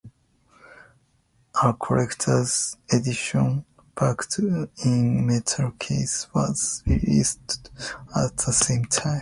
A Collector's Edition, packaged in a metal case, was released at the same time.